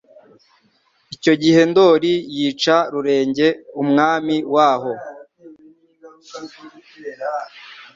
Icyo gihe Ndoli yica rurenge Umwami waho